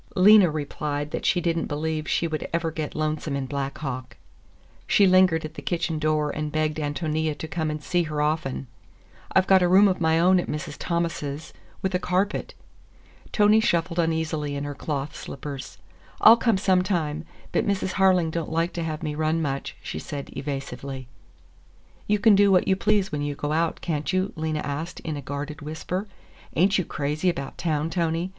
Lena replied that she did n't believe she would ever get lonesome in Black Hawk. She lingered at the kitchen door and begged Ántonia to come and see her often. "I've got a room of my own at Mrs. Thomas's, with a carpet." Tony shuffled uneasily in her cloth slippers. "I'll come sometime, but Mrs. Harling don't like to have me run much," she said evasively. "You can do what you please when you go out, can't you?" Lena asked in a guarded whisper. "Ain't you crazy about town, Tony?